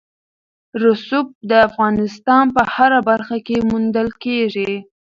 رسوب د افغانستان په هره برخه کې موندل کېږي.